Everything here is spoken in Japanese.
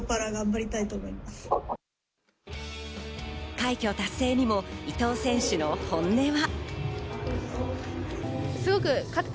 快挙達成にも、伊藤選手の本音は。